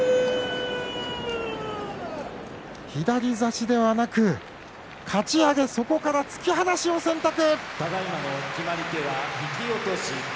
左差しではなく、かち上げそこから突き放しを選択。